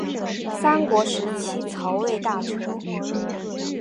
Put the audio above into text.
三国时期曹魏大臣。